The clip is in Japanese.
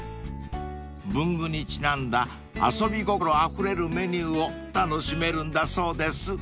［文具にちなんだ遊び心あふれるメニューを楽しめるんだそうです］